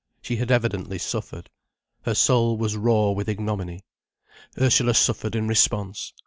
She had evidently suffered. Her soul was raw with ignominy. Ursula suffered in response.